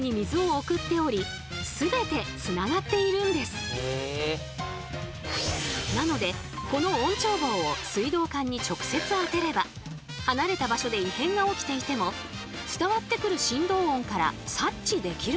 そうそもそも水道はなのでこの音聴棒を水道管に直接あてれば離れた場所で異変が起きていても伝わってくる振動音から察知できるんだとか。